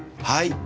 はい。